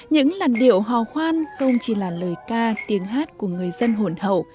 những làn điệu hò khoan không chỉ là lời ca tiếng hát của người dân hồn hậu